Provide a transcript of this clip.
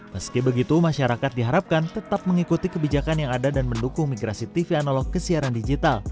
meski begitu masyarakat diharapkan tetap mengikuti kebijakan yang ada dan mendukung migrasi tv analog ke siaran digital